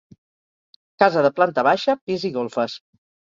Casa de planta baixa, pis i golfes.